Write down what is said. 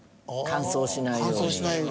乾燥しないように。